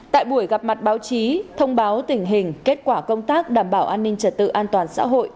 tại buổi gặp mặt báo chí thông báo tình hình kết quả công tác đảm bảo an ninh trật tự an toàn xã hội